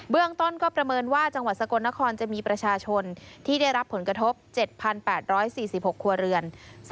เรื่องต้นก็ประเมินว่าจังหวัดสกลนครจะมีประชาชนที่ได้รับผลกระทบ๗๘๔๖ครัวเรือน